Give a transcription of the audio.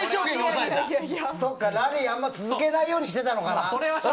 ラリーをあんまり続けないようにしてたのかな。